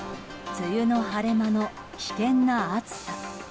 梅雨の晴れ間の危険な暑さ。